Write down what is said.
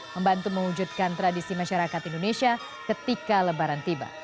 membantu mewujudkan tradisi masyarakat indonesia ketika lebaran tiba